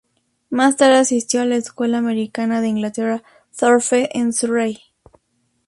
Más tarde asistió a la escuela americana en Inglaterra "Thorpe" en Surrey.